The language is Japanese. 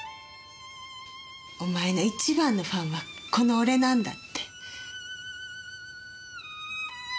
「お前の一番のファンはこの俺なんだ」って。